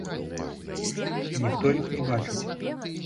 Ніхто іх не бачыць.